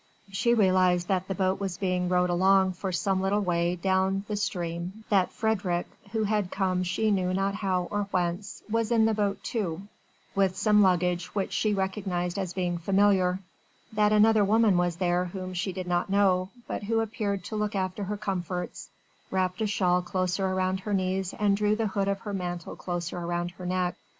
She realised that the boat was being rowed along for some little way down the stream, that Frédérick, who had come she knew not how or whence, was in the boat too with some luggage which she recognised as being familiar: that another woman was there whom she did not know, but who appeared to look after her comforts, wrapped a shawl closer round her knees and drew the hood of her mantle closer round her neck.